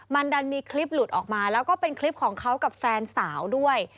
มันดันมีคลิปหลุดออกมาแล้วก็เป็นคลิปของเขากับแฟนสาวด้วย